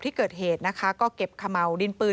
ที่เกิดเหตุนะคะก็เก็บขม่าวดินปืน